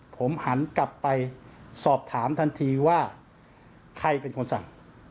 ผมหันกลับไปสอบถามทันทีว่าใครเป็นคนสั่ง